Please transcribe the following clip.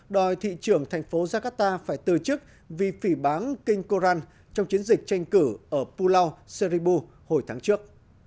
đòi thị trưởng thành phố jakarta phải từ chức vì phỉ bán kinh koran trong chiến dịch tranh cử ở pulau serribu hồi tháng trước